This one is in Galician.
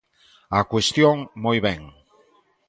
Á cuestión, moi ben.